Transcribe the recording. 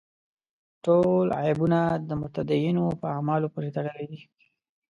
ټول عیبونه د متدینو په اعمالو پورې تړلي دي.